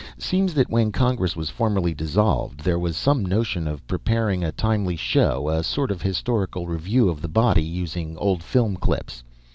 Seems that when Congress was formally dissolved, there was some notion of preparing a timely show a sort of historical review of the body, using old film clips.